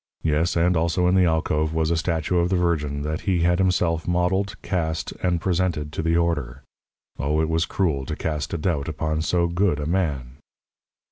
Yes, and also in the alcove was a statue of the Virgin that he had himself modeled, cast, and presented to the order. Oh, it was cruel to cast a doubt upon so good a man!